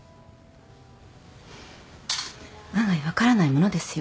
案外分からないものですよ？